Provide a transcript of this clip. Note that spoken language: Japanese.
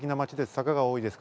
坂がおおいです。